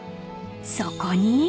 ［そこに］